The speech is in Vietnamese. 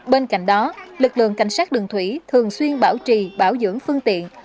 bên cạnh đó lực lượng cảnh sát đường thủy thường xuyên bảo trì bảo dưỡng phương tiện